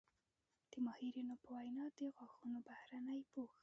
د ماهرینو په وینا د غاښونو بهرني پوښ